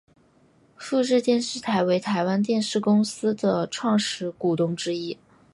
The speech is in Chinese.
富士电视台为台湾电视公司的创始股东之一。